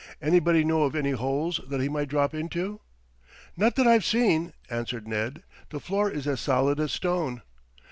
"Anybody know of any holes that he might drop into?" "Not that I have seen," answered Ned. "The floor is as solid as stone."